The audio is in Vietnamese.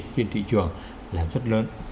trên thị trường là rất lớn